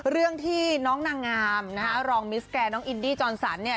เรื่องที่น้องนางงามนะฮะรองมิสแกนน้องอินดี้จรสันเนี่ย